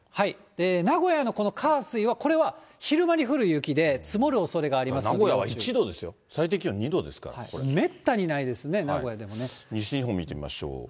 名古屋のこの火、水はこれは、昼間に降る雪で、名古屋は１度ですよ、最低気めったにないですね、名古屋西日本、見てみましょう。